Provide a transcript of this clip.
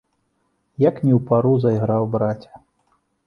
Як не ў пару зайграў, браце.